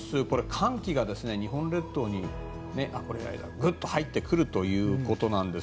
寒気が日本列島にぐっと入ってくるということなんです。